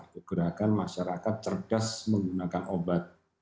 itu gerakan masyarakat cerdas menggunakan obat